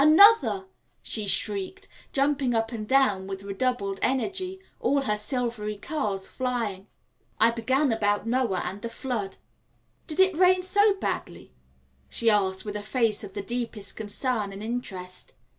another!" she shrieked, jumping up and down with redoubled energy, all her silvery curls flying. I began about Noah and the flood. "Did it rain so badly?" she asked with a face of the deepest concern and interest.